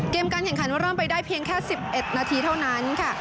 เกมการแห่งขันว่าร่วมไปได้เพียงแค่๑๑นาทีเท่านั้น